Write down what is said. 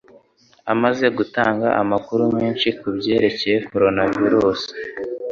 amaze gutanga amakuru menshi kubyerekeye koronavirusi.